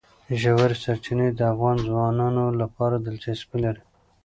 ژورې سرچینې د افغان ځوانانو لپاره دلچسپي لري.